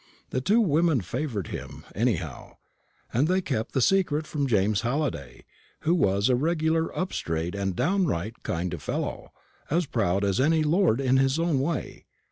The two women favoured him, anyhow; and they kept the secret from James Halliday, who was a regular upstraight and downright kind of fellow, as proud as any lord in his own way.